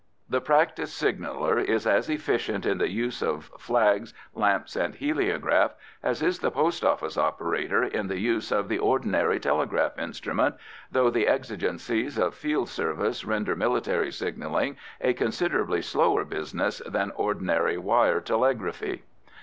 The practised signaller is as efficient in the use of flags, lamps, and heliograph as is the post office operator in the use of the ordinary telegraph instrument, though the exigencies of field service render military signalling a considerably slower business than ordinary wire telegraphy.